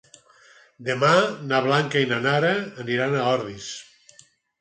Demà na Blanca i na Nara aniran a Ordis.